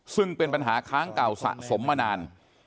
ซึ่งเป็นปัญหาค้างเก่าสะสมมานาน